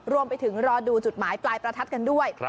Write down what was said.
รวมไปถึงรอดูจุดหมายปลายประทัดกันด้วย